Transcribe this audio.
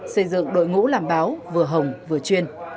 xây dựng đội ngũ làm báo vừa hồng vừa chuyên